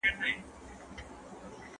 ¬ نې پخپله خوري، نې بل چا ته ورکوي.